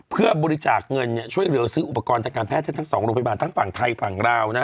เพื่อบริจาคเงินช่วยเหลือซื้ออุปกรณ์ทางการแพทย์ทั้ง๒โรงพยาบาลทั้งฝั่งไทยฝั่งลาวนะ